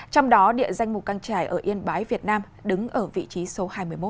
trong đó địa danh mù căng trải ở yên bái việt nam đứng ở vị trí số hai mươi một